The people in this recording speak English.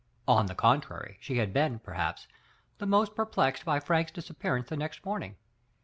On the contrary, she had been, perhaps, the most perplexed by Frank's disap pearance the next morning.